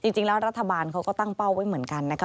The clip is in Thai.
จริงแล้วรัฐบาลเขาก็ตั้งเป้าไว้เหมือนกันนะคะ